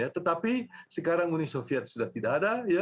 tetapi sekarang uni soviet sudah tidak ada